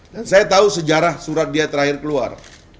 dan saya tahu sejarah surat dia terakhir keluar